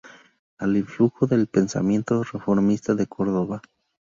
Al influjo del pensamiento reformista de Córdoba.